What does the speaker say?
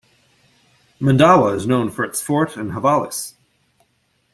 Mandawa is known for its fort and havelis.